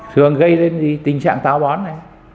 thường gây đến gì tình trạng táo bón này